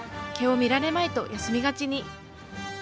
毛を見られまいと休みがちに。